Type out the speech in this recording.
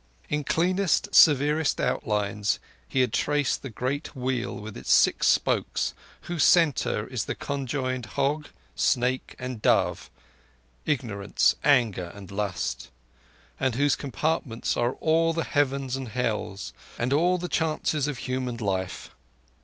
In cleanest, severest outline he had traced the Great Wheel with its six spokes, whose centre is the conjoined Hog, Snake, and Dove (Ignorance, Anger, and Lust), and whose compartments are all the Heavens and Hells, and all the chances of human life.